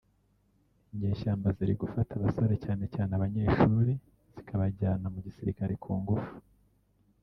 inyeshyamba ziri gufata abasore cyane cyane abanyeshuri zikabajyana mu gisirikare ku ngufu